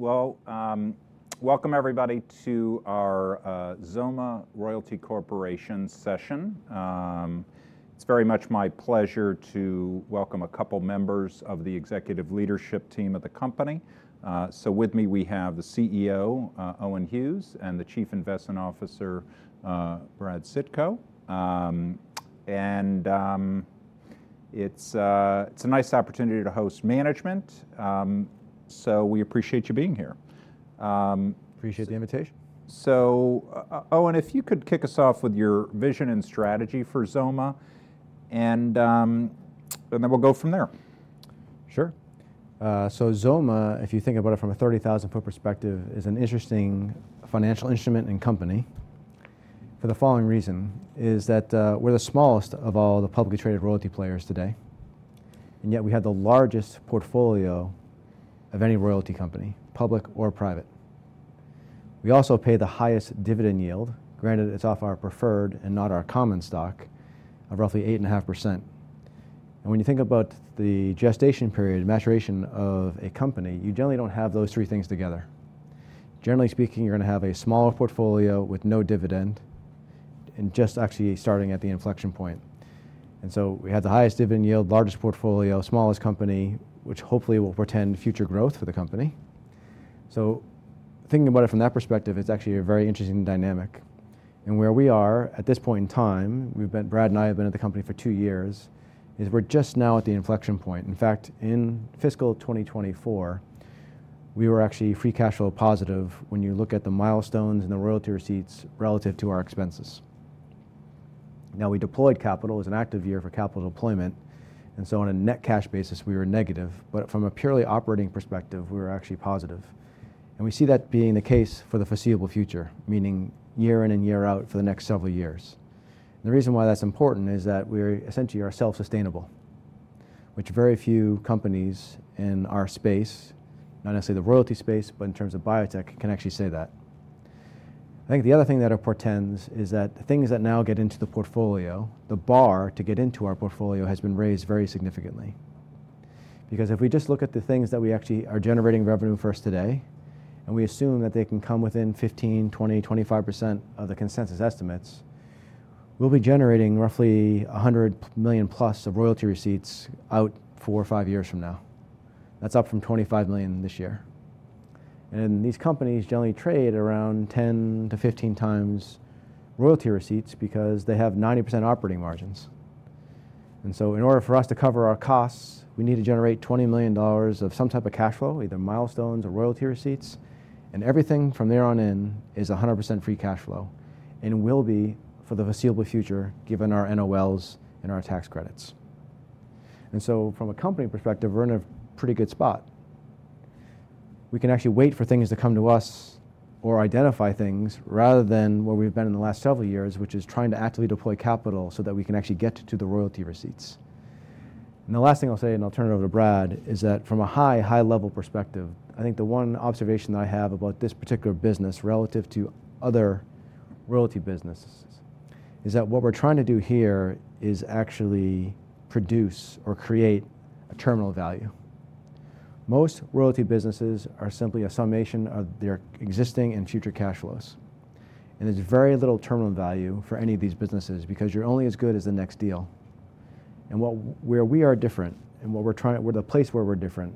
Welcome everybody to our XOMA Royalty Corporation session. It's very much my pleasure to welcome a couple members of the executive leadership team at the company. With me we have the CEO, Owen Hughes, and the Chief Investment Officer, Brad Sitko. It's a nice opportunity to host management. We appreciate you being here. Appreciate the invitation. Owen, if you could kick us off with your vision and strategy for XOMA, and then we'll go from there. Sure. XOMA, if you think about it from a 30,000-foot perspective, is an interesting financial instrument and company for the following reason: we're the smallest of all the publicly traded royalty players today, and yet we have the largest portfolio of any royalty company, public or private. We also pay the highest dividend yield, granted it's off our preferred and not our common stock, of roughly 8.5%. When you think about the gestation period, maturation of a company, you generally don't have those three things together. Generally speaking, you're going to have a smaller portfolio with no dividend and just actually starting at the inflection point. We have the highest dividend yield, largest portfolio, smallest company, which hopefully will portend future growth for the company. Thinking about it from that perspective, it's actually a very interesting dynamic. Where we are at this point in time, we've been, Brad and I have been at the company for two years, is we're just now at the inflection point. In fact, in fiscal 2024, we were actually free cash flow positive when you look at the milestones and the royalty receipts relative to our expenses. Now, we deployed capital, it was an active year for capital deployment, and so on a net cash basis, we were negative. From a purely operating perspective, we were actually positive. We see that being the case for the foreseeable future, meaning year in and year out for the next several years. The reason why that's important is that we're essentially ourselves sustainable, which very few companies in our space, not necessarily the royalty space, but in terms of biotech, can actually say that. I think the other thing that it portends is that the things that now get into the portfolio, the bar to get into our portfolio has been raised very significantly. Because if we just look at the things that actually are generating revenue for us today, and we assume that they can come within 15%-20%-25% of the consensus estimates, we'll be generating roughly $100 million plus of royalty receipts out four or five years from now. That's up from $25 million this year. These companies generally trade around 10-15 times royalty receipts because they have 90% operating margins. In order for us to cover our costs, we need to generate $20 million of some type of cash flow, either milestones or royalty receipts, and everything from there on in is 100% free cash flow and will be for the foreseeable future, given our NOLs and our tax credits. From a company perspective, we're in a pretty good spot. We can actually wait for things to come to us or identify things rather than where we've been in the last several years, which is trying to actively deploy capital so that we can actually get to the royalty receipts. The last thing I'll say, and I'll turn it over to Brad, is that from a high, high-level perspective, I think the one observation that I have about this particular business relative to other royalty businesses is that what we're trying to do here is actually produce or create a terminal value. Most royalty businesses are simply a summation of their existing and future cash flows. There's very little terminal value for any of these businesses because you're only as good as the next deal. Where we are different and what we're trying to, where the place where we're different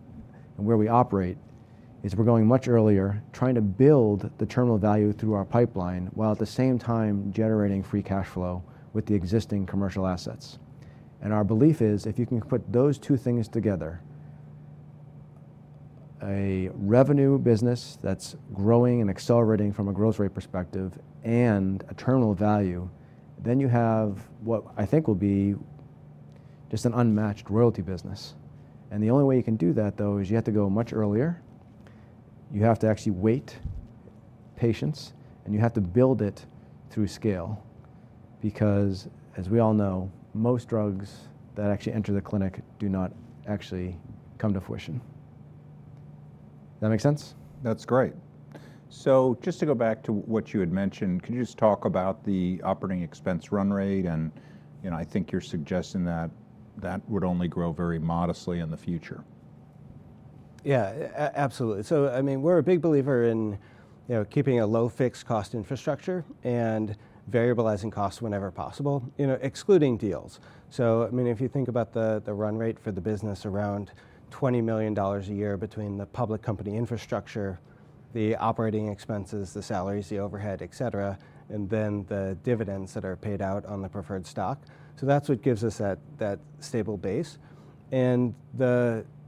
and where we operate is we're going much earlier, trying to build the terminal value through our pipeline while at the same time generating free cash flow with the existing commercial assets. Our belief is if you can put those two things together, a revenue business that is growing and accelerating from a growth rate perspective and a terminal value, you have what I think will be just an unmatched royalty business. The only way you can do that, though, is you have to go much earlier. You have to actually wait, patience, and you have to build it through scale because, as we all know, most drugs that actually enter the clinic do not actually come to fruition. Does that make sense? That's great. Just to go back to what you had mentioned, could you just talk about the operating expense run rate? You know, I think you're suggesting that that would only grow very modestly in the future. Yeah, absolutely. I mean, we're a big believer in, you know, keeping a low fixed cost infrastructure and variabilizing costs whenever possible, you know, excluding deals. I mean, if you think about the run rate for the business, around $20 million a year between the public company infrastructure, the operating expenses, the salaries, the overhead, et cetera, and then the dividends that are paid out on the preferred stock, that's what gives us that stable base.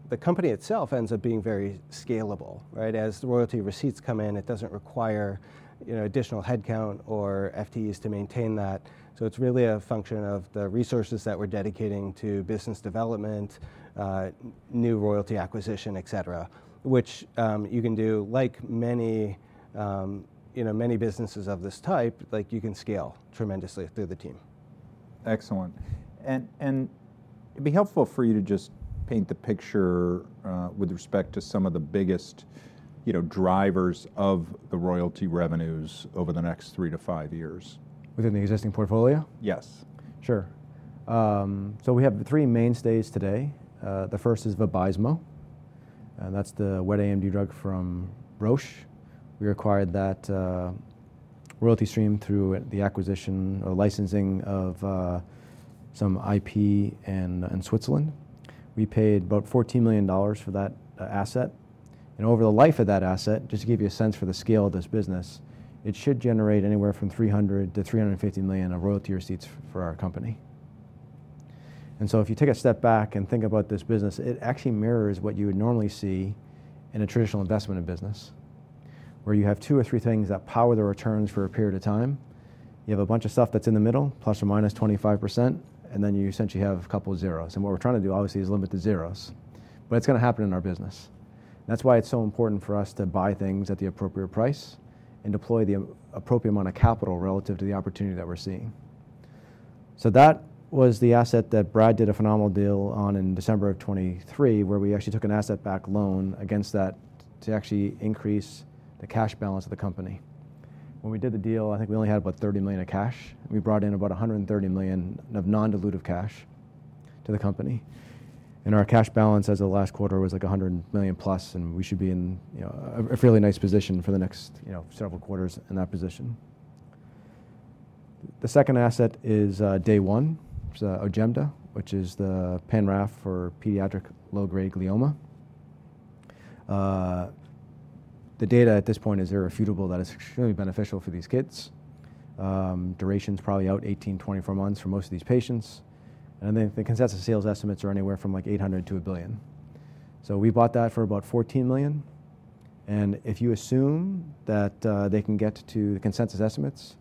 The company itself ends up being very scalable, right? As royalty receipts come in, it doesn't require, you know, additional headcount or FTEs to maintain that. It's really a function of the resources that we're dedicating to business development, new royalty acquisition, et cetera, which, you can do like many, you know, many businesses of this type, like you can scale tremendously through the team. Excellent. It'd be helpful for you to just paint the picture, with respect to some of the biggest, you know, drivers of the royalty revenues over the next three to five years. Within the existing portfolio? Yes. Sure. We have three mainstays today. The first is Vabysmo, and that's the wet AMD drug from Roche. We acquired that royalty stream through the acquisition or licensing of some IP in Switzerland. We paid about $14 million for that asset. Over the life of that asset, just to give you a sense for the scale of this business, it should generate anywhere from $300 million-$350 million of royalty receipts for our company. If you take a step back and think about this business, it actually mirrors what you would normally see in a traditional investment in business, where you have two or three things that power the returns for a period of time. You have a bunch of stuff that's in the middle, plus or minus 25%, and then you essentially have a couple of zeros. What we're trying to do, obviously, is limit the zeros, but it's going to happen in our business. That's why it's so important for us to buy things at the appropriate price and deploy the appropriate amount of capital relative to the opportunity that we're seeing. That was the asset that Brad did a phenomenal deal on in December of 2023, where we actually took an asset-backed loan against that to actually increase the cash balance of the company. When we did the deal, I think we only had about $30 million of cash. We brought in about $130 million of non-dilutive cash to the company. Our cash balance as of the last quarter was like $100 million plus, and we should be in, you know, a fairly nice position for the next, you know, several quarters in that position. The second asset is, Day One. It's Ojemda, which is the pan-RAF for pediatric low-grade glioma. The data at this point is irrefutable that it's extremely beneficial for these kids. Duration's probably out 18-24 months for most of these patients. The consensus sales estimates are anywhere from $800 million to $1 billion. We bought that for about $14 million. If you assume that they can get to the consensus estimates,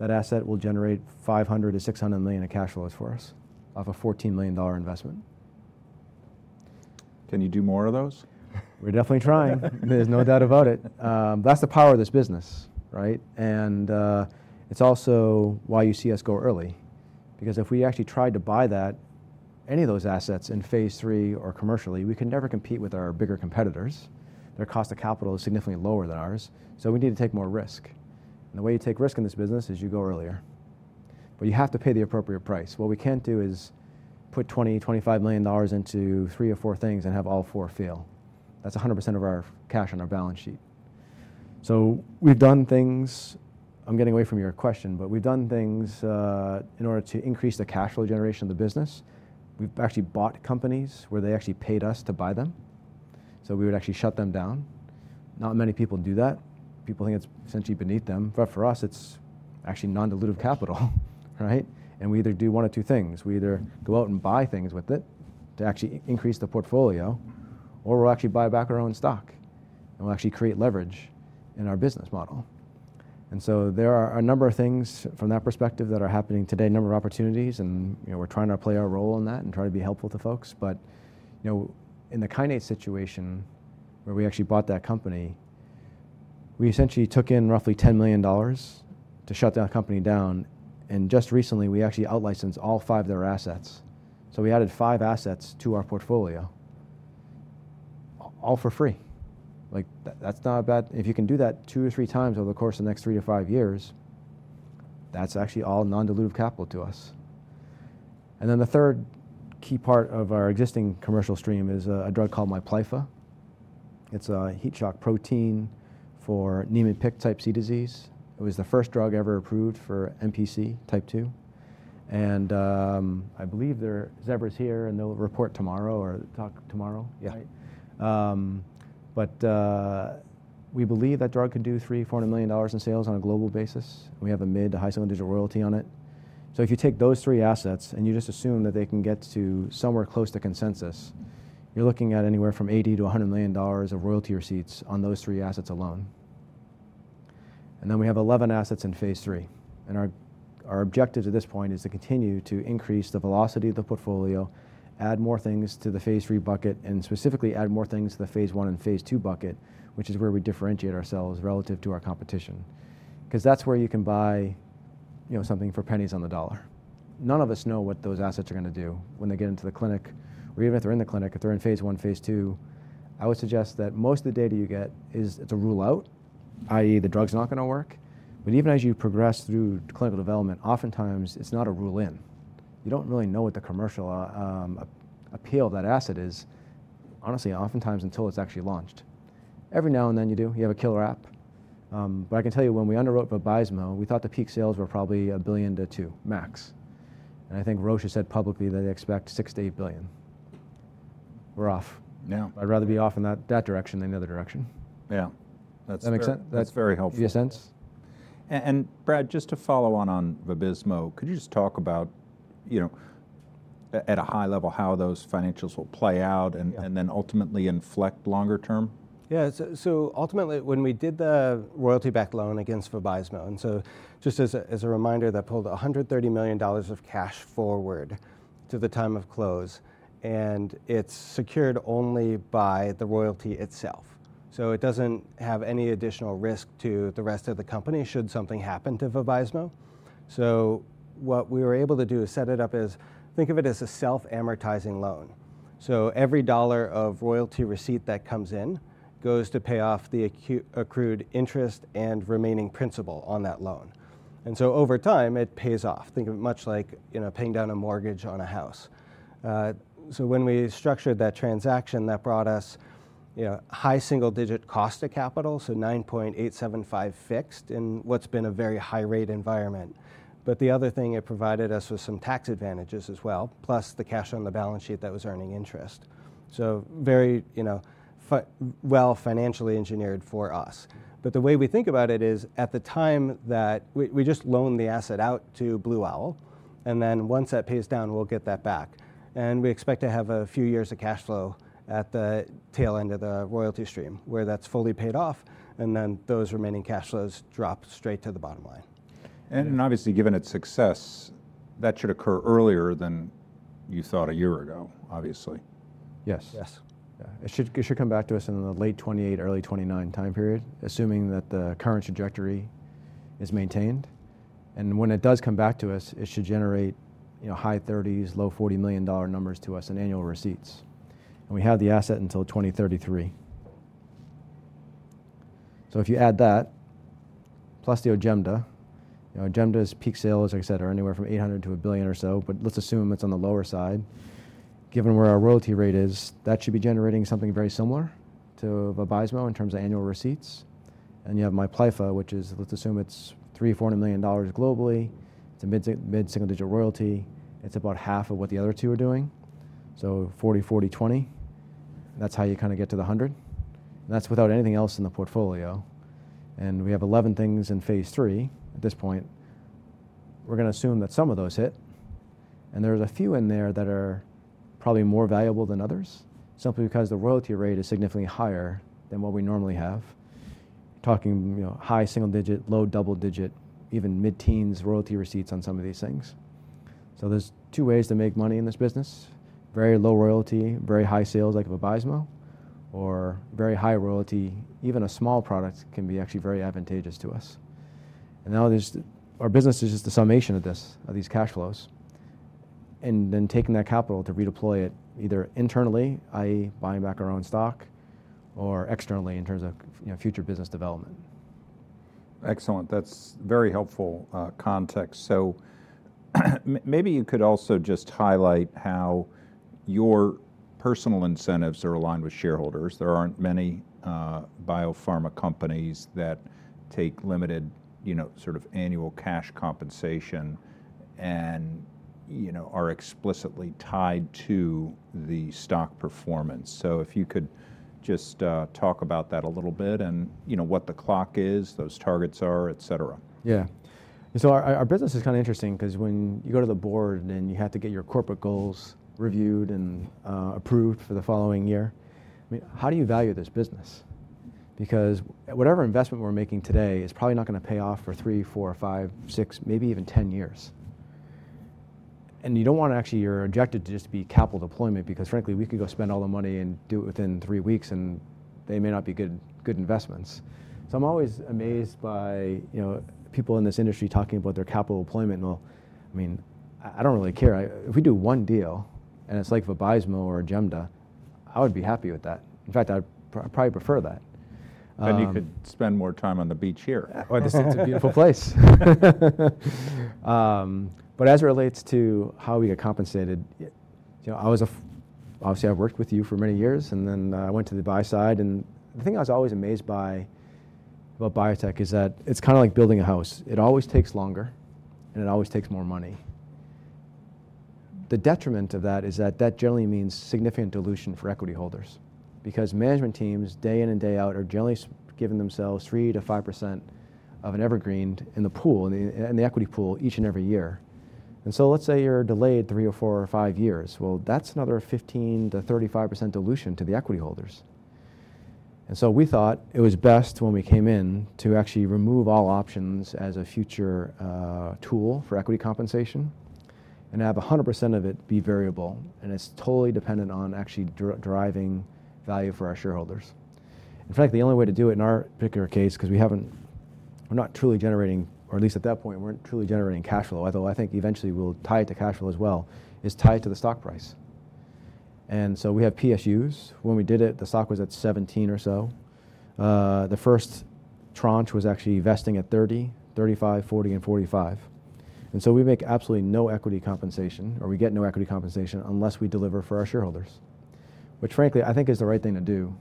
that asset will generate $500 million-$600 million of cash flows for us off a $14 million investment. Can you do more of those? We're definitely trying. There's no doubt about it. That's the power of this business, right? It's also why you see us go early. Because if we actually tried to buy that, any of those assets in phase III or commercially, we can never compete with our bigger competitors. Their cost of capital is significantly lower than ours. We need to take more risk. The way you take risk in this business is you go earlier. You have to pay the appropriate price. What we can't do is put $20 million, $25 million into three or four things and have all four fail. That's 100% of our cash on our balance sheet. We've done things, I'm getting away from your question, but we've done things in order to increase the cash flow generation of the business. We've actually bought companies where they actually paid us to buy them. We would actually shut them down. Not many people do that. People think it's essentially beneath them. For us, it's actually non-dilutive capital, right? We either do one of two things. We either go out and buy things with it to actually increase the portfolio, or we'll actually buy back our own stock. We'll actually create leverage in our business model. There are a number of things from that perspective that are happening today, a number of opportunities, and, you know, we're trying to play our role in that and try to be helpful to folks. You know, in the Kinaset situation, where we actually bought that company, we essentially took in roughly $10 million to shut that company down. Just recently, we actually outlicensed all five of their assets. We added five assets to our portfolio, all for free. Like, that's not bad. If you can do that two or three times over the course of the next three to five years, that's actually all non-dilutive capital to us. The third key part of our existing commercial stream is a drug called Miplyfa. It's a heat shock protein for Niemann-Pick type C disease. It was the first drug ever approved for NPC2. I believe they're Zevra's here, and they'll report tomorrow or talk tomorrow. Yeah. We believe that drug could do $300 million-$400 million in sales on a global basis. We have a mid to high-single digit royalty on it. If you take those three assets and you just assume that they can get to somewhere close to consensus, you're looking at anywhere from $80 million to $100 million of royalty receipts on those three assets alone. We have 11 assets in phase III. Our objective at this point is to continue to increase the velocity of the portfolio, add more things to the phase III bucket, and specifically add more things to the phase I and phase II bucket, which is where we differentiate ourselves relative to our competition. That's where you can buy, you know, something for pennies on the dollar. None of us know what those assets are going to do when they get into the clinic, or even if they're in the clinic, if they're in phase I, phase II. I would suggest that most of the data you get is to rule out, i.e., the drug's not going to work. Even as you progress through clinical development, oftentimes it's not a rule in. You don't really know what the commercial appeal of that asset is, honestly, oftentimes until it's actually launched. Every now and then you do. You have a killer app. I can tell you, when we underwrote Vabysmo, we thought the peak sales were probably $1 billion-$2 billion, max. I think Roche has said publicly that they expect $6 billion-$8 billion. We're off. Yeah. I'd rather be off in that direction than the other direction. Yeah. That makes sense. That's very helpful. Brad, just to follow on on Vabysmo, could you just talk about, you know, at a high level, how those financials will play out and then ultimately inflect longer term? Yeah. So ultimately, when we did the royalty-backed loan against Vabysmo, and so just as a reminder, that pulled $130 million of cash forward to the time of close, and it's secured only by the royalty itself. It doesn't have any additional risk to the rest of the company should something happen to Vabysmo. What we were able to do is set it up as, think of it as a self-amortizing loan. Every dollar of royalty receipt that comes in goes to pay off the accrued interest and remaining principal on that loan. Over time, it pays off. Think of it much like, you know, paying down a mortgage on a house. When we structured that transaction, that brought us, you know, high single-digit cost of capital, so 9.875% fixed in what's been a very high-rate environment. The other thing, it provided us with some tax advantages as well, plus the cash on the balance sheet that was earning interest. Very, you know, well financially engineered for us. The way we think about it is at the time that we just loan the asset out to Blue Owl, and then once that pays down, we'll get that back. We expect to have a few years of cash flow at the tail end of the royalty stream where that's fully paid off, and then those remaining cash flows drop straight to the bottom line. Obviously, given its success, that should occur earlier than you thought a year ago, obviously. Yes. Yes. Yeah. It should come back to us in the late 2028, early 2029 time period, assuming that the current trajectory is maintained. When it does come back to us, it should generate, you know, high $30 million, low $40 million numbers to us in annual receipts. We have the asset until 2033. If you add that, plus the Ojemda, you know, Ojemda's peak sales, et cetera, are anywhere from $800 million to $1 billion or so, but let's assume it's on the lower side. Given where our royalty rate is, that should be generating something very similar to Vabysmo in terms of annual receipts. You have Miplyfa, which is, let's assume it's $300 million-$400 million globally. It's a mid-single digit royalty. It's about half of what the other two are doing. So 40, 40, 20. That's how you kind of get to the 100. That's without anything else in the portfolio. We have 11 things in phase III at this point. We're going to assume that some of those hit. There's a few in there that are probably more valuable than others, simply because the royalty rate is significantly higher than what we normally have. Talking, you know, high single digit, low double digit, even mid-teens royalty receipts on some of these things. There are two ways to make money in this business. Very low royalty, very high sales like Vabysmo, or very high royalty, even a small product can be actually very advantageous to us. Our business is just the summation of this, of these cash flows. Then taking that capital to redeploy it either internally, i.e., buying back our own stock, or externally in terms of, you know, future business development. Excellent. That's very helpful, context. Maybe you could also just highlight how your personal incentives are aligned with shareholders. There aren't many biopharma companies that take limited, you know, sort of annual cash compensation and, you know, are explicitly tied to the stock performance. If you could just talk about that a little bit and, you know, what the clock is, those targets are, etcetera. Yeah. Our business is kind of interesting because when you go to the board and you have to get your corporate goals reviewed and approved for the following year, I mean, how do you value this business? Because whatever investment we're making today is probably not going to pay off for three, four, five, six, maybe even ten years. You don't want to actually, your objective to just be capital deployment because, frankly, we could go spend all the money and do it within three weeks, and they may not be good, good investments. I'm always amazed by, you know, people in this industry talking about their capital deployment. I mean, I don't really care. If we do one deal and it's like Vabysmo or Ojemda, I would be happy with that. In fact, I'd probably prefer that. You could spend more time on the beach here. It's a beautiful place. As it relates to how we get compensated, you know, I was a, obviously, I worked with you for many years, and then I went to the buy side. The thing I was always amazed by about biotech is that it's kind of like building a house. It always takes longer, and it always takes more money. The detriment of that is that that generally means significant dilution for equity holders. Because management teams, day in and day out, are generally giving themselves 3-5% of an evergreen in the pool, in the equity pool, each and every year. Let's say you're delayed three or four or five years. That's another 15-35% dilution to the equity holders. We thought it was best when we came in to actually remove all options as a future tool for equity compensation and have 100% of it be variable. It is totally dependent on actually driving value for our shareholders. In fact, the only way to do it in our particular case, because we have not, we are not truly generating, or at least at that point, we are not truly generating cash flow, although I think eventually we will tie it to cash flow as well, is tie it to the stock price. We have PSUs. When we did it, the stock was at $17 or so. The first tranche was actually vesting at $30, $35, $40, and $45. We make absolutely no equity compensation, or we get no equity compensation unless we deliver for our shareholders, which frankly, I think is the right thing to do.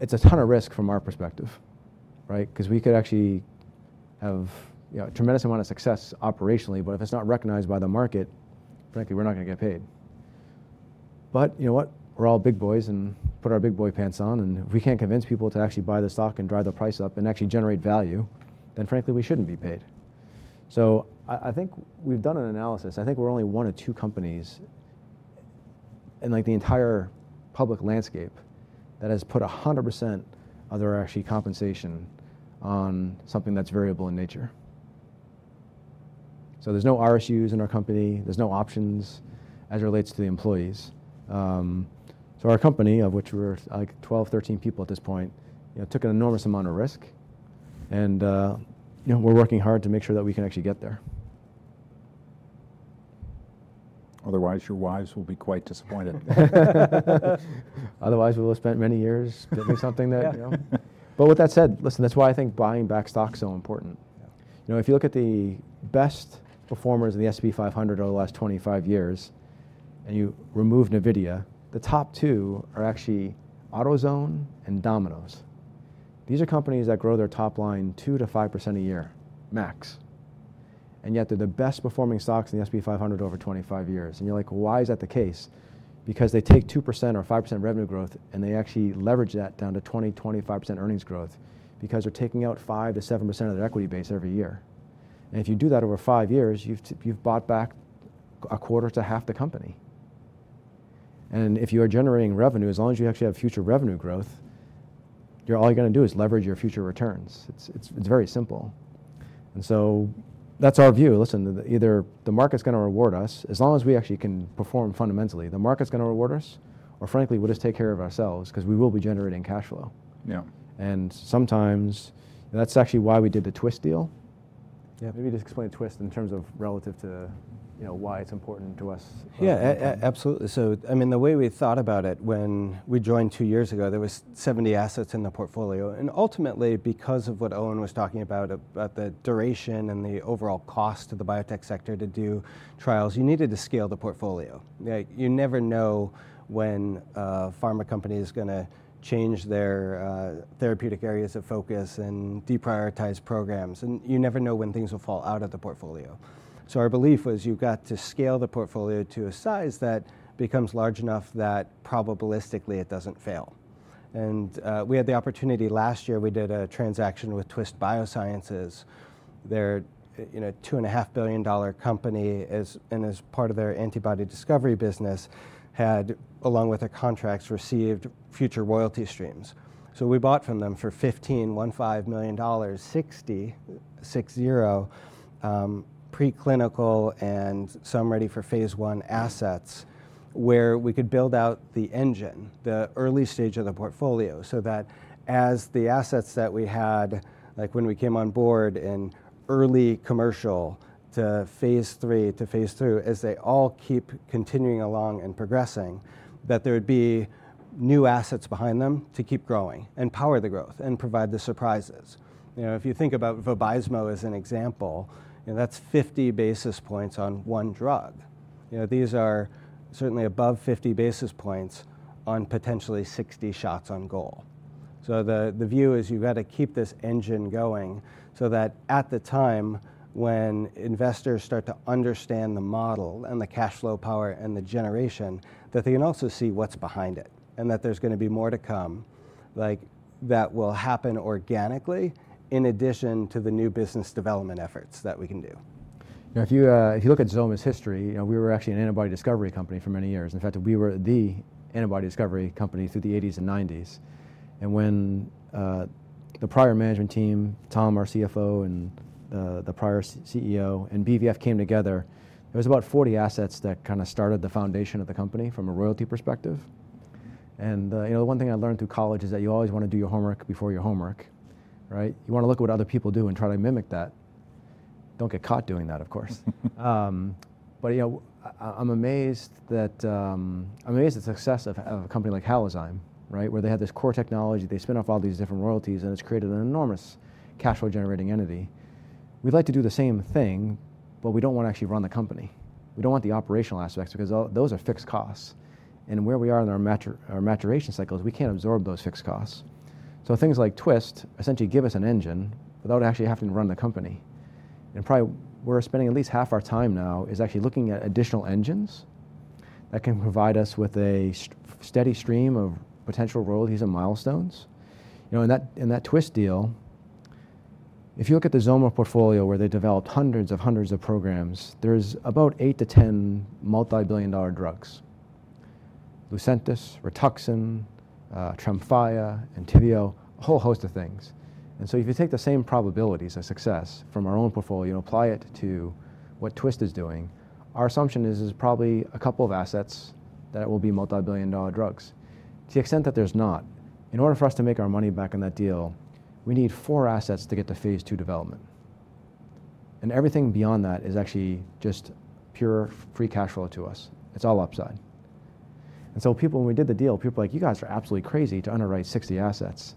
It's a ton of risk from our perspective, right? Because we could actually have, you know, a tremendous amount of success operationally, but if it's not recognized by the market, frankly, we're not going to get paid. But you know what? We're all big boys and put our big boy pants on. If we can't convince people to actually buy the stock and drive the price up and actually generate value, then frankly, we shouldn't be paid. I think we've done an analysis. I think we're only one of two companies in like the entire public landscape that has put 100% of their actually compensation on something that's variable in nature. There's no RSUs in our company. There's no options as it relates to the employees. Our company, of which we're like 12, 13 people at this point, you know, took an enormous amount of risk. You know, we're working hard to make sure that we can actually get there. Otherwise, your wives will be quite disappointed. Otherwise, we will have spent many years building something that, you know. With that said, listen, that's why I think buying back stock is so important. You know, if you look at the best performers in the S&P 500 over the last 25 years, and you remove Nvidia, the top two are actually AutoZone and Domino's. These are companies that grow their top line 2-5% a year, max. Yet they're the best performing stocks in the S&P 500 over 25 years. You're like, why is that the case? Because they take 2% or 5% revenue growth, and they actually leverage that down to 20-25% earnings growth because they're taking out 5-7% of their equity base every year. If you do that over five years, you've bought back a quarter to half the company. If you are generating revenue, as long as you actually have future revenue growth, all you're going to do is leverage your future returns. It's very simple. That's our view. Listen, either the market's going to reward us as long as we actually can perform fundamentally, the market's going to reward us, or frankly, we'll just take care of ourselves because we will be generating cash flow. Yeah. Sometimes that's actually why we did the Twist deal. Yeah, maybe just explain Twist in terms of relative to, you know, why it's important to us. Yeah, absolutely. I mean, the way we thought about it when we joined two years ago, there were 70 assets in the portfolio. Ultimately, because of what Owen was talking about, about the duration and the overall cost of the biotech sector to do trials, you needed to scale the portfolio. You never know when a pharma company is going to change their therapeutic areas of focus and deprioritize programs. You never know when things will fall out of the portfolio. Our belief was you've got to scale the portfolio to a size that becomes large enough that probabilistically it doesn't fail. We had the opportunity last year. We did a transaction with Twist Bioscience. Their, you know, $2.5 billion company as part of their antibody discovery business had, along with their contracts, received future royalty streams. We bought from them for $15 million, $60 million, preclinical and some ready for phase I assets where we could build out the engine, the early stage of the portfolio so that as the assets that we had, like when we came on board in early commercial to phase III to phase II, as they all keep continuing along and progressing, that there would be new assets behind them to keep growing and power the growth and provide the surprises. You know, if you think about Vabysmo as an example, you know, that's 50 basis points on one drug. You know, these are certainly above 50 basis points on potentially 60 shots on goal. The view is you've got to keep this engine going so that at the time when investors start to understand the model and the cash flow power and the generation, that they can also see what's behind it and that there's going to be more to come, like that will happen organically in addition to the new business development efforts that we can do. You know, if you look at XOMA's history, you know, we were actually an antibody discovery company for many years. In fact, we were the antibody discovery company through the 1980s and 1990s. When the prior management team, Tom, our CFO, and the prior CEO and BVF came together, there was about 40 assets that kind of started the foundation of the company from a royalty perspective. You know, one thing I learned through college is that you always want to do your homework before your homework, right? You want to look at what other people do and try to mimic that. Don't get caught doing that, of course. You know, I'm amazed at the success of a company like Halozyme, right? Where they had this core technology, they spun off all these different royalties, and it's created an enormous cash flow generating entity. We'd like to do the same thing, but we don't want to actually run the company. We don't want the operational aspects because those are fixed costs. Where we are in our maturation cycles, we can't absorb those fixed costs. Things like Twist essentially give us an engine without actually having to run the company. Probably we're spending at least half our time now actually looking at additional engines that can provide us with a steady stream of potential royalties and milestones. You know, in that Twist deal, if you look at the XOMA portfolio where they developed hundreds of programs, there's about eight to ten multi-billion dollar drugs: Lucentis, Rituxan, Tremfya, Entyvio, a whole host of things. If you take the same probabilities of success from our own portfolio and apply it to what Twist is doing, our assumption is probably a couple of assets that will be multi-billion dollar drugs. To the extent that there's not, in order for us to make our money back on that deal, we need four assets to get to phase II development. Everything beyond that is actually just pure free cash flow to us. It's all upside. People, when we did the deal, were like, you guys are absolutely crazy to underwrite 60 assets.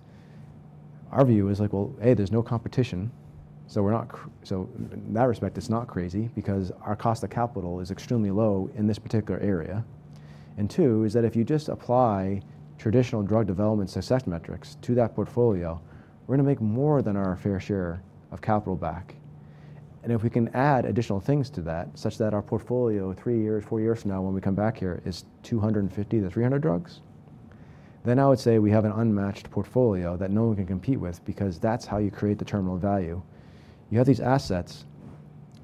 Our view is like, hey, there's no competition. In that respect, it's not crazy because our cost of capital is extremely low in this particular area. If you just apply traditional drug development success metrics to that portfolio, we're going to make more than our fair share of capital back. If we can add additional things to that, such that our portfolio three years, four years from now, when we come back here, is 250-300 drugs, then I would say we have an unmatched portfolio that no one can compete with because that's how you create the terminal value. You have these assets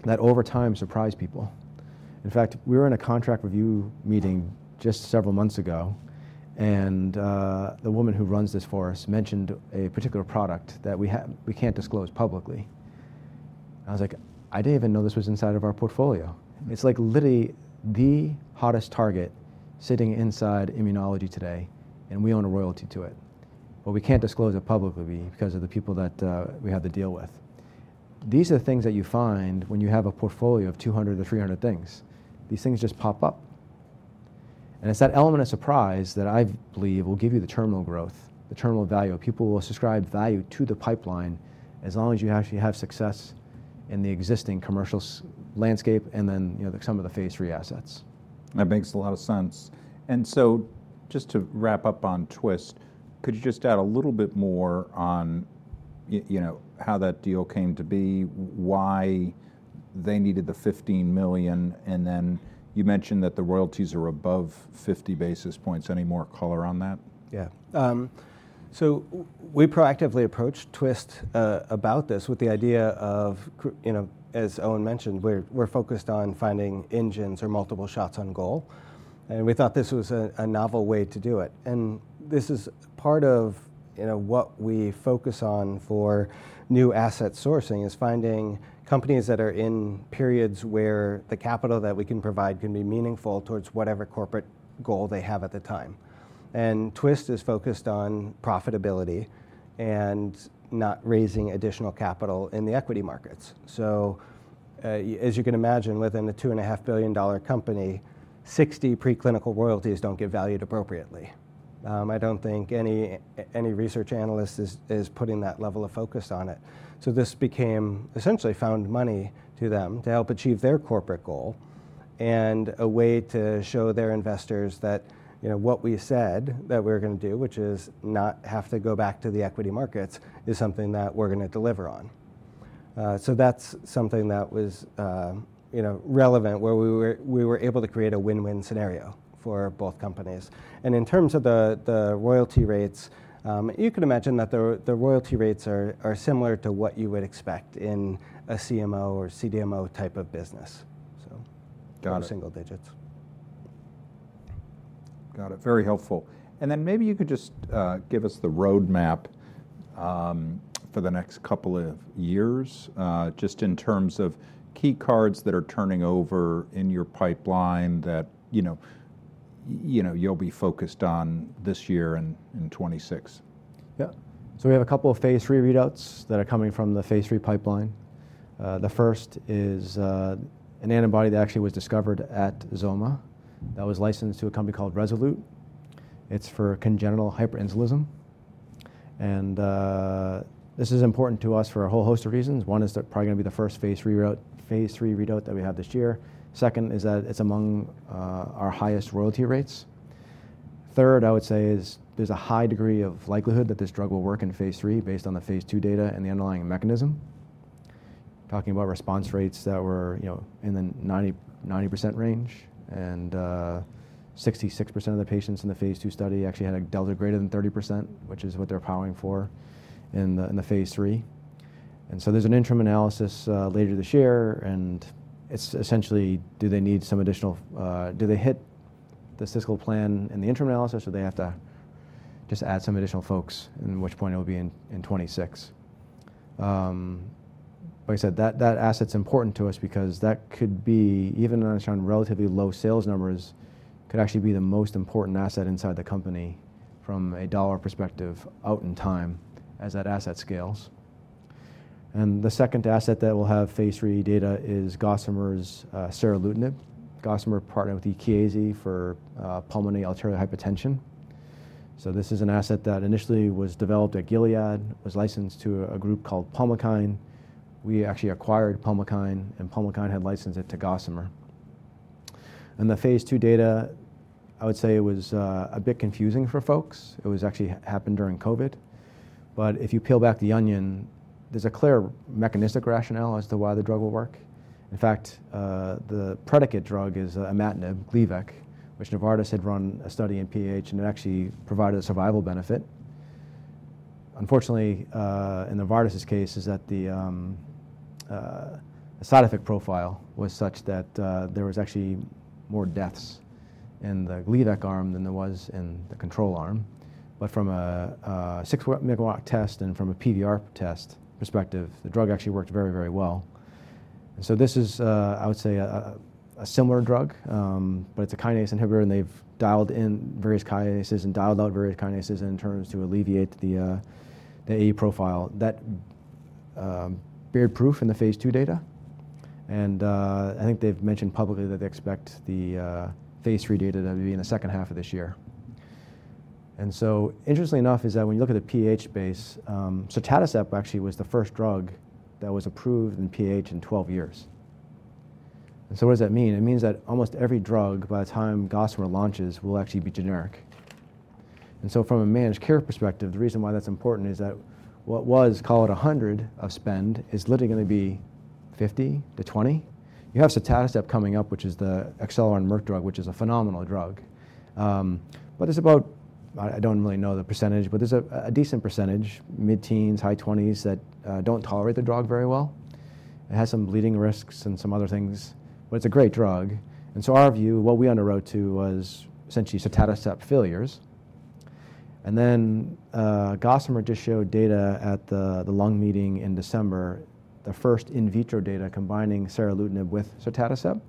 that over time surprise people. In fact, we were in a contract review meeting just several months ago, and the woman who runs this for us mentioned a particular product that we can't disclose publicly. I was like, I didn't even know this was inside of our portfolio. It's like literally the hottest target sitting inside immunology today, and we own a royalty to it. We can't disclose it publicly because of the people that we had to deal with. These are things that you find when you have a portfolio of 200 to 300 things. These things just pop up. It's that element of surprise that I believe will give you the terminal growth, the terminal value. People will subscribe value to the pipeline as long as you actually have success in the existing commercial landscape and then, you know, some of the phase III assets. That makes a lot of sense. Just to wrap up on Twist, could you just add a little bit more on, you know, how that deal came to be, why they needed the $15 million, and then you mentioned that the royalties are above 50 basis points anymore. Color on that? Yeah. So we proactively approached Twist about this with the idea of, you know, as Owen mentioned, we're focused on finding engines or multiple shots on goal. We thought this was a novel way to do it. This is part of, you know, what we focus on for new asset sourcing is finding companies that are in periods where the capital that we can provide can be meaningful towards whatever corporate goal they have at the time. Twist is focused on profitability and not raising additional capital in the equity markets. As you can imagine, within a $2.5 billion company, 60 preclinical royalties do not get valued appropriately. I do not think any research analyst is putting that level of focus on it. This became essentially found money to them to help achieve their corporate goal and a way to show their investors that, you know, what we said that we're going to do, which is not have to go back to the equity markets, is something that we're going to deliver on. That is something that was, you know, relevant where we were able to create a win-win scenario for both companies. In terms of the royalty rates, you can imagine that the royalty rates are similar to what you would expect in a CMO or CDMO type of business, so single digits. Got it. Very helpful. Maybe you could just give us the roadmap for the next couple of years, just in terms of key cards that are turning over in your pipeline that, you know, you know, you'll be focused on this year and in 2026. Yeah. We have a couple of phase III readouts that are coming from the phase III pipeline. The first is an antibody that actually was discovered at XOMA that was licensed to a company called Rezolute. It's for congenital hyperinsulinism. This is important to us for a whole host of reasons. One is that it's probably going to be the first phase III readout that we have this year. Second is that it's among our highest royalty rates. Third, I would say is there's a high degree of likelihood that this drug will work in phase III based on the phase II data and the underlying mechanism. Talking about response rates that were, you know, in the 90% range. And 66% of the patients in the phase II study actually had a delta greater than 30%, which is what they're powering for in the phase III. There's an interim analysis later this year. It's essentially, do they need some additional, do they hit the fiscal plan in the interim analysis or do they have to just add some additional folks, at which point it will be in 2026. Like I said, that asset's important to us because that could be, even on relatively low sales numbers, could actually be the most important asset inside the company from a dollar perspective out in time as that asset scales. The second asset that will have phase III data is Gossamer Seralutinib. Gossamer partnered with Janssen for pulmonary arterial hypertension. This is an asset that initially was developed at Gilead, was licensed to a group called Pulmokine. We actually acquired Pulmokine, and Pulmokine had licensed it to Gossamer. The phase II data, I would say it was a bit confusing for folks. It was actually happened during COVID. If you peel back the onion, there is a clear mechanistic rationale as to why the drug will work. In fact, the predicate drug is imatinib, Gleevec, which Novartis had run a study in PAH and it actually provided a survival benefit. Unfortunately, in Novartis's case, the side effect profile was such that there were actually more deaths in the Gleevec arm than there were in the control arm. From a six-minute walk test and from a PVR test perspective, the drug actually worked very, very well. This is, I would say, a similar drug, but it is a kinase inhibitor and they have dialed in various kinases and dialed out various kinases in terms to alleviate the AE profile. That bear proof in the phase II data. I think they've mentioned publicly that they expect the phase III data to be in the second half of this year. Interesting enough is that when you look at the PAH space, sotatercept actually was the first drug that was approved in PAH in 12 years. What does that mean? It means that almost every drug by the time Gossamer launches will actually be generic. From a managed care perspective, the reason why that's important is that what was, call it $100 of spend, is literally going to be $50-$20. You have sotatercept coming up, which is the Acceleron and Merck drug, which is a phenomenal drug. It's about, I don't really know the percentage, but there's a decent percentage, mid-teens, high 20s, that don't tolerate the drug very well. It has some bleeding risks and some other things, but it's a great drug. Our view, what we underwrote to was essentially sotatercept failures. Gossamer just showed data at the lung meeting in December, the first in vitro data combining serolutinib with sotatercept.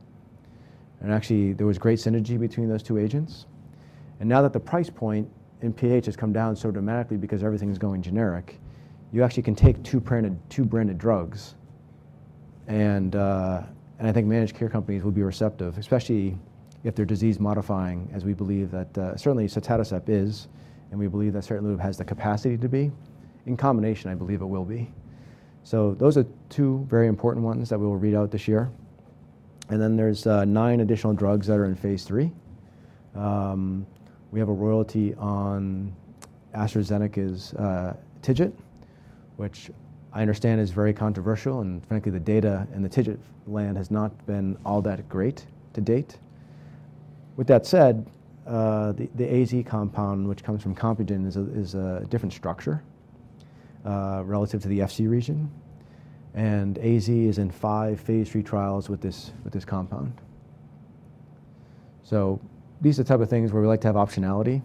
Actually, there was great synergy between those two agents. Now that the price point in PAH has come down so dramatically because everything is going generic, you actually can take two branded drugs. I think managed care companies will be receptive, especially if they're disease modifying, as we believe that certainly sotatercept is, and we believe that certainly has the capacity to be. In combination, I believe it will be. Those are two very important ones that we will read out this year. There are nine additional drugs that are in phase III. We have a royalty on AstraZeneca's TIGIT, which I understand is very controversial. Frankly, the data and the TIGIT land has not been all that great to date. With that said, the AZ compound, which comes from Compugen, is a different structure relative to the Fc region. AZ is in five phase III trials with this compound. These are the type of things where we like to have optionality.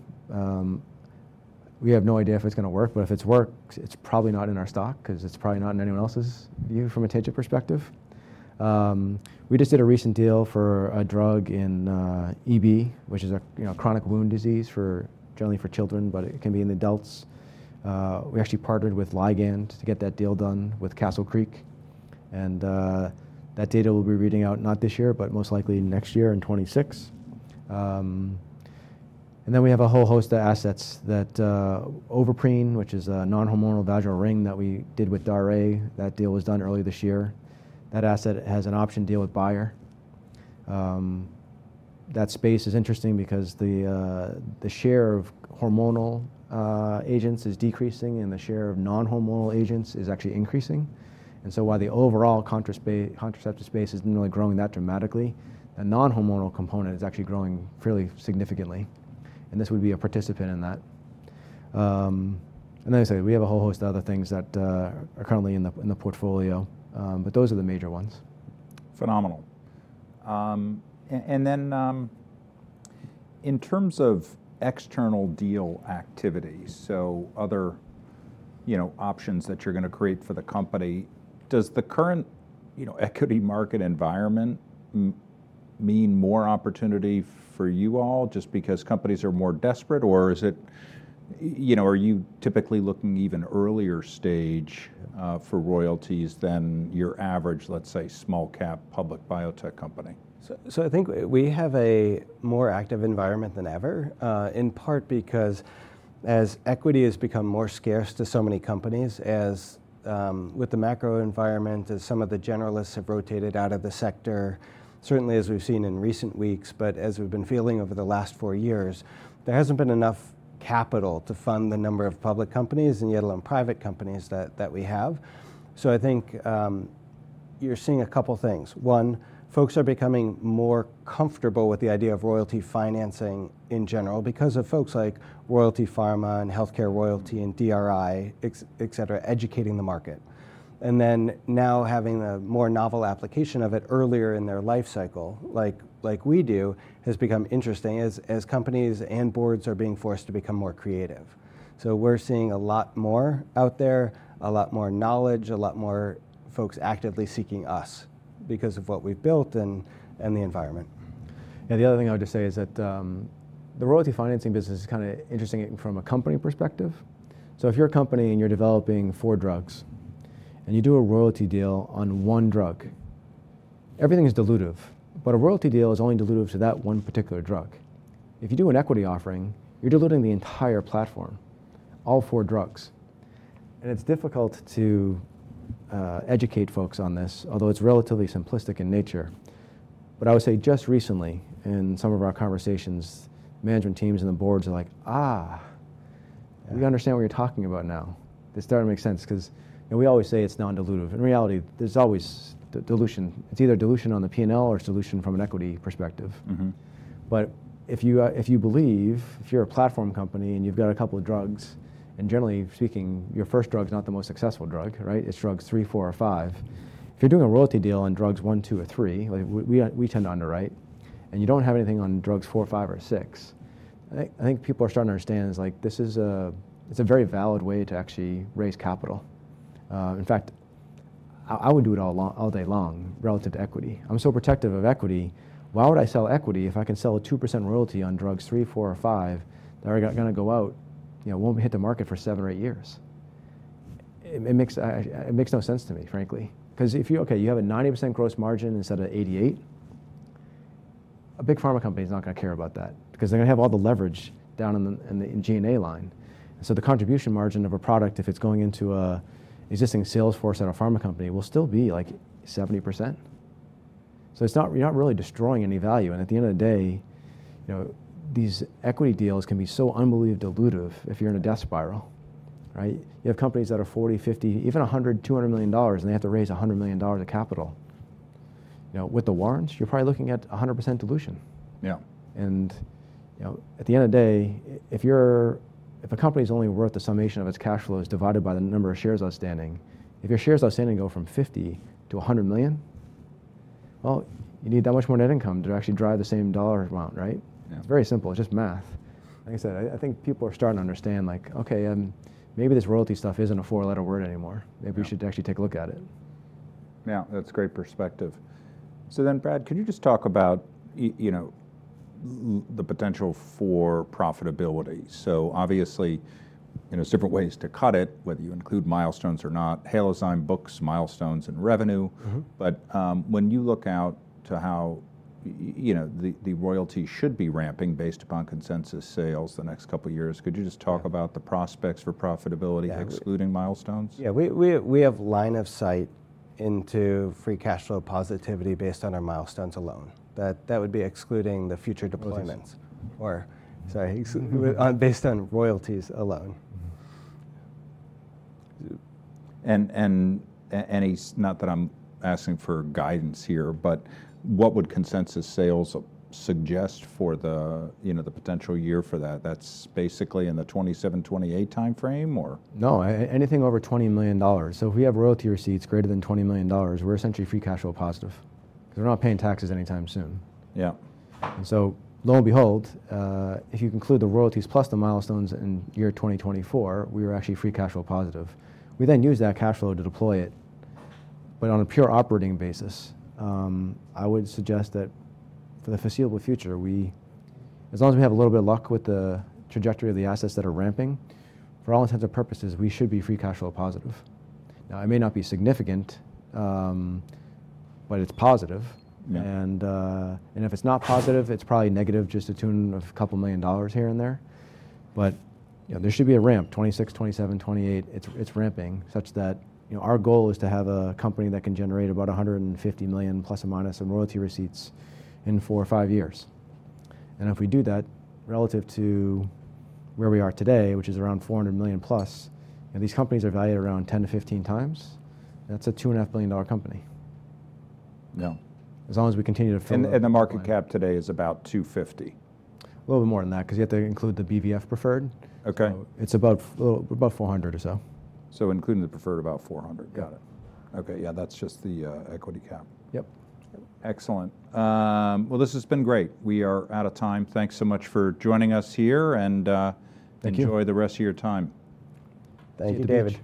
We have no idea if it's going to work, but if it's worked, it's probably not in our stock because it's probably not in anyone else's view from a TIGIT perspective. We just did a recent deal for a drug in EB, which is a chronic wound disease generally for children, but it can be in adults. We actually partnered with Ligand to get that deal done with Castle Creek. That data will be reading out not this year, but most likely next year in 2026. We have a whole host of assets that Ovaprene, which is a non-hormonal vaginal ring that we did with Daref=. That deal was done early this year. That asset has an option deal with Bayer. That space is interesting because the share of hormonal agents is decreasing and the share of non-hormonal agents is actually increasing. While the overall contraceptive space is not really growing that dramatically, the non-hormonal component is actually growing fairly significantly. This would be a participant in that. I say we have a whole host of other things that are currently in the portfolio, but those are the major ones. Phenomenal. In terms of external deal activities, so other, you know, options that you're going to create for the company, does the current, you know, equity market environment mean more opportunity for you all just because companies are more desperate or is it, you know, are you typically looking even earlier stage for royalties than your average, let's say, small cap public biotech company? I think we have a more active environment than ever, in part because as equity has become more scarce to so many companies, as with the macro environment, as some of the generalists have rotated out of the sector, certainly as we've seen in recent weeks, but as we've been feeling over the last four years, there hasn't been enough capital to fund the number of public companies and yet on private companies that we have. I think you're seeing a couple of things. One, folks are becoming more comfortable with the idea of royalty financing in general because of folks like Royalty Pharma and Healthcare Royalty and DRI, etc., educating the market. Now having a more novel application of it earlier in their life cycle, like we do, has become interesting as companies and boards are being forced to become more creative. We're seeing a lot more out there, a lot more knowledge, a lot more folks actively seeking us because of what we've built and the environment. Yeah, the other thing I would just say is that the royalty financing business is kind of interesting from a company perspective. If you're a company and you're developing four drugs and you do a royalty deal on one drug, everything is dilutive, but a royalty deal is only dilutive to that one particular drug. If you do an equity offering, you're diluting the entire platform, all four drugs. It's difficult to educate folks on this, although it's relatively simplistic in nature. I would say just recently in some of our conversations, management teams and the boards are like, we understand what you're talking about now. This doesn't make sense because we always say it's non-dilutive. In reality, there's always dilution. It's either dilution on the P&L or dilution from an equity perspective. If you believe, if you're a platform company and you've got a couple of drugs, and generally speaking, your first drug is not the most successful drug, right? It's drugs three, four, or five. If you're doing a royalty deal on drugs one, two, or three, we tend to underwrite. And you don't have anything on drugs four, five, or six. I think people are starting to understand is like, this is a very valid way to actually raise capital. In fact, I would do it all day long relative to equity. I'm so protective of equity. Why would I sell equity if I can sell a 2% royalty on drugs three, four, or five that are going to go out? You know, won't hit the market for seven or eight years. It makes no sense to me, frankly. Because if you, okay, you have a 90% gross margin instead of 88%, a big pharma company is not going to care about that because they're going to have all the leverage down in the G&A line. The contribution margin of a product, if it's going into an existing sales force at a pharma company, will still be like 70%. You are not really destroying any value. At the end of the day, you know, these equity deals can be so unbelievably dilutive if you're in a death spiral, right? You have companies that are 40, 50, even 100-200 million dollars, and they have to raise 100 million dollars of capital. You know, with the warrants, you're probably looking at 100% dilution. Yeah. You know, at the end of the day, if a company's only worth the summation of its cash flows divided by the number of shares outstanding, if your shares outstanding go from 50 to 100 million, you need that much more net income to actually drive the same dollar amount, right? It's very simple. It's just math. Like I said, I think people are starting to understand like, okay, maybe this royalty stuff isn't a four-letter word anymore. Maybe you should actually take a look at it. That's a great perspective. Brad, could you just talk about, you know, the potential for profitability? Obviously, you know, there's different ways to cut it, whether you include milestones or not, Halozyme books milestones and revenue. When you look out to how, you know, the royalty should be ramping based upon consensus sales the next couple of years, could you just talk about the prospects for profitability excluding milestones? Yeah, we have line of sight into free cash flow positivity based on our milestones alone. That would be excluding the future deployments. Or, sorry, based on royalties alone. Not that I'm asking for guidance here, but what would consensus sales suggest for the, you know, the potential year for that? That's basically in the 2027, 2028 timeframe or? No, anything over $20 million. If we have royalty receipts greater than $20 million, we're essentially free cash flow positive. Because we're not paying taxes anytime soon. Yeah. Lo and behold, if you include the royalties plus the milestones in year 2024, we were actually free cash flow positive. We then use that cash flow to deploy it. On a pure operating basis, I would suggest that for the foreseeable future, we, as long as we have a little bit of luck with the trajectory of the assets that are ramping, for all intents and purposes, we should be free cash flow positive. It may not be significant, but it's positive. If it's not positive, it's probably negative just to the tune of a couple million dollars here and there. You know, there should be a ramp, 2026, 2027, 2028, it's ramping such that, you know, our goal is to have a company that can generate about $150 million plus or minus in royalty receipts in four or five years. If we do that relative to where we are today, which is around $400 million plus, and these companies are valued around 10-15 times, that's a $2.5 billion company. Now. As long as we continue to fill. The market cap today is about $250 million. A little bit more than that because you have to include the BVF preferred. Okay. It's about 400 or so. So including the preferred, about 400. Got it. Okay. Yeah. That's just the equity cap. Yep. Excellent. This has been great. We are out of time. Thanks so much for joining us here and enjoy the rest of your time. Thank you, David.